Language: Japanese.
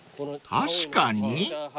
［確かに？］